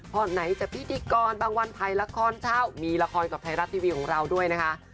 พอไหนจะพิธีกรบางวันไทยละครเช่ามีละครกับไทยรัฐทีวีของเราด้วยนะคะ